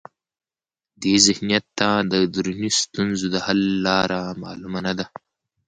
دې ذهنیت ته د دروني ستونزو د حل لاره معلومه نه ده.